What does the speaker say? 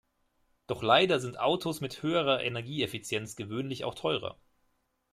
Doch leider sind Autos mit höherer Energieeffizienz gewöhnlich auch teurer.